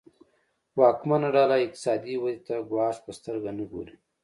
واکمنه ډله اقتصادي ودې ته ګواښ په سترګه نه ګوري.